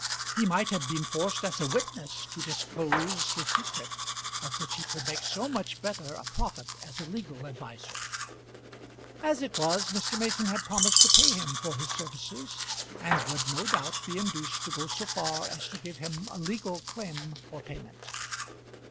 He might have been forced as a witness to disclose his secret, of which he could make so much better a profit as a legal adviser. As it was, Mr. Mason had promised to pay him for his services, and would no doubt be induced to go so far as to give him a legal claim for payment.